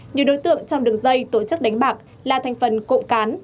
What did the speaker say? nhiều đối tượng trong đường dây tổ chức đánh bạc là thành phần cộng cán